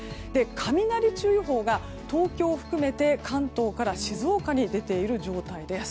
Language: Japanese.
雷注意報が東京を含めて関東から静岡に出ている状態です。